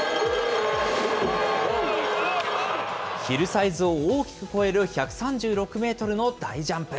ヒルサイズを大きく超える１３６メートルの大ジャンプ。